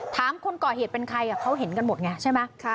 คนก่อเหตุเป็นใครเขาเห็นกันหมดไงใช่ไหม